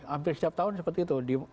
hampir setiap tahun seperti itu